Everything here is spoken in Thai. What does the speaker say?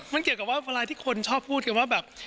มันเกี่ยวกับว่าเวลาที่คนชอบพูดกันว่าแบบ